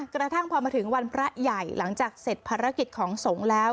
กระทั่งพอมาถึงวันพระใหญ่หลังจากเสร็จภารกิจของสงฆ์แล้ว